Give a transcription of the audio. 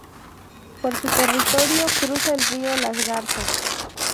Por su territorio cruza el río Las Garzas.